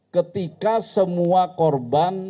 ketika semua korban